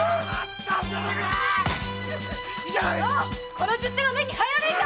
この十手が目に入らねえか‼